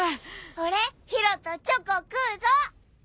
俺宙とチョコ食うぞ！